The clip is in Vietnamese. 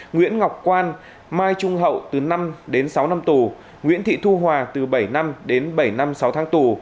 nguyễn ngọc quan mai trung hậu từ năm đến sáu năm tù nguyễn thị thu hòa từ bảy năm đến bảy năm sáu tháng tù